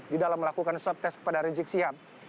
di dalam melakukan swab test kepada rizik sihab